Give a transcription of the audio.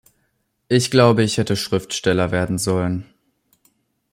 Ich glaube, ich hätte Schriftsteller werden sollen.